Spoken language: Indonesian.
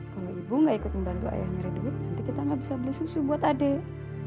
kalau ibu nggak ikut membantu ayah nyari duit nanti kita nggak bisa beli susu buat adik